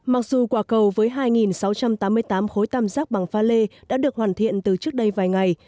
mặc dù quả cầu với hai sáu trăm tám mươi tám khối tam giác bằng pha lê đã được hoàn thiện từ trước đây vài ngày